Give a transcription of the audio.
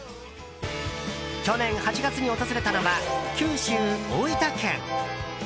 去年８月に訪れたのは九州・大分県。